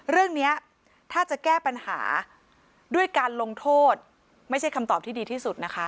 เรื่องนี้ถ้าจะแก้ปัญหาด้วยการลงโทษไม่ใช่คำตอบที่ดีที่สุดนะคะ